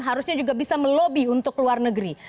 harusnya juga bisa melobi untuk luar negeri